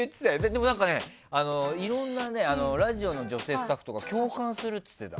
でも、いろんなラジオの女性スタッフとか共感するって言ってた。